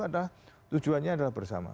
ada tujuannya adalah bersama